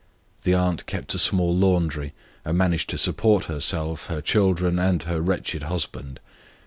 The aunt kept a little laundry, and managed to support herself, her children, and her wretched husband.